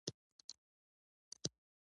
که يې څوک نه مني.